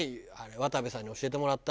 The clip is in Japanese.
渡部さんに教えてもらった。